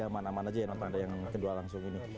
jadi aman aman aja ya nonton yang kedua langsung ini